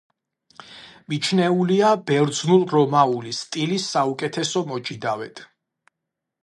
მიჩნეულია ბერძნულ-რომაული სტილის საუკეთესო მოჭიდავედ.